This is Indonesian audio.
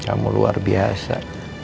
kamu luar biasa